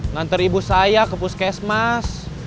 ngantar ibu saya ke puskesmas